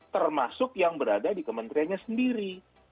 termasuk yang berada di kementeriannya sendiri